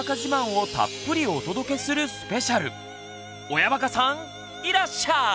親バカさんいらっしゃい！